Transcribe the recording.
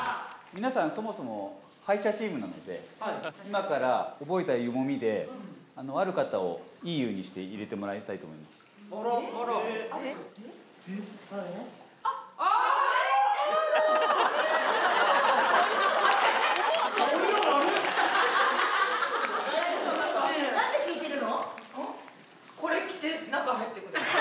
皆さん、そもそも敗者チームなので、今から覚えた湯もみである方をいい湯にして入れてもらいたいと思あら。